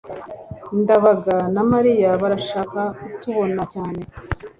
ndabaga na mariya barashaka kutubona cyane